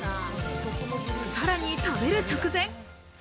さらに食べる直前。